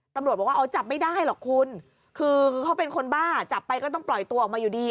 ตำรวจบอกว่าเอาจับไม่ได้หรอกคุณคือเขาเป็นคนบ้าจับไปก็ต้องปล่อยตัวออกมาอยู่ดี